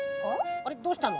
あれどうしたの？